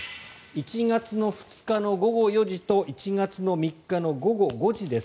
１月２日の午後４時と１月３日の午後５時です。